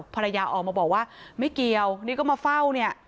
ภรรยาออกมาบอกว่าไม่เกี่ยวนี่ก็มาเฝ้าเนี่ย